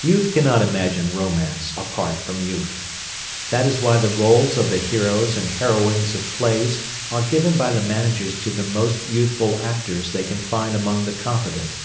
Youth cannot imagine romance apart from youth. That is why the rôles of the heroes and heroines of plays are given by the managers to the most youthful actors they can find among the competent.